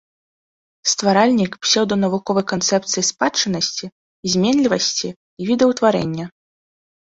Стваральнік псеўданавуковай канцэпцыі спадчыннасці, зменлівасці і відаўтварэння.